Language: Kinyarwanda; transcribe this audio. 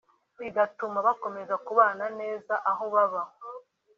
bigatuma bakomeza kubana neza aho baba